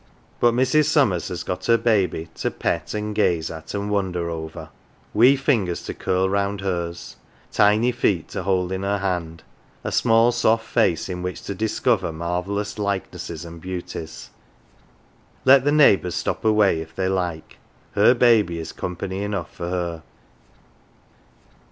But Mrs. Summers has got her baby to pet and gaze at and wonder over wee fingers to curl round hers, tiny feet to hold in her hand, a small soft face in which to discover mar vellous likenesses and beauties. Let the neighbours stop away if they like, her baby is " company " enough for her.